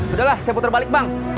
udahlah saya putar balik bang